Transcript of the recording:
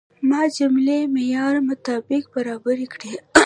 ما جملې د معیار مطابق برابرې کړې.